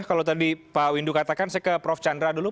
kalau tadi pak windu katakan saya ke prof chandra dulu